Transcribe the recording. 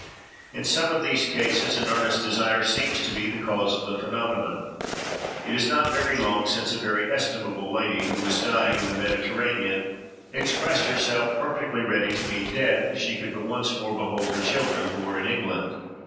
In some of these cases, an earnest desire seems to be the cause of the phenomenon. It is not very long since a very estimable lady, who was dying in the Mediterranean, expressed herself perfectly ready to meet death, if she could but once more behold her children, who were in England.